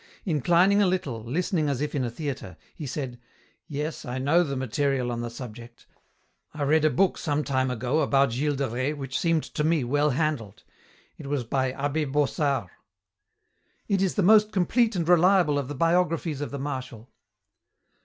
Inclining a little, listening as if in a theatre, he said, "Yes, I know the material on the subject. I read a book some time ago about Gilles de Rais which seemed to me well handled. It was by abbé Bossard." "It is the most complete and reliable of the biographies of the Marshal."